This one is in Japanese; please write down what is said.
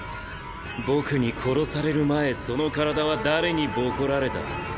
僕に殺される前その体は誰にボコられた？